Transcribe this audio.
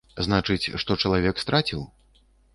Значыць, што чалавек страціў?